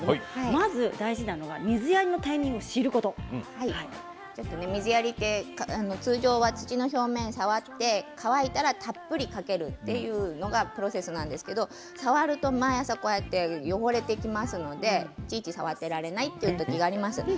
まず大事なのが水やりは通常、土の表面を触って乾いたらたっぷりかけるというのがプロセスなんですけれども触ると毎朝、汚れていきますのでいちいち触っていられない時があります。